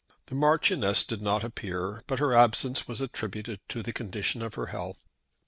The Marchioness did not appear, but her absence was attributed to the condition of her health.